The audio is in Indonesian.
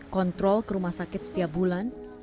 kontrol ke rumah sakit setiap bulan